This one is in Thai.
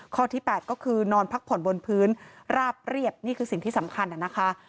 ข้อที่๘ก็คือนอนพักผ่อนบนพื้นราบเรียบนี่คือสิ่งที่สำคัญนะคะ